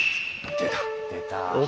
出た。